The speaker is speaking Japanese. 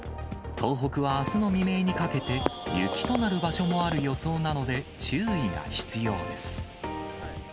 東北はあすの未明にかけて雪となる場所もある予想なので、注意が必要です。